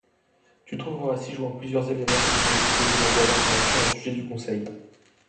Tu trouveras ci-joint plusieurs éléments qui pourraient composer l’envoi d’information au sujet du conseil.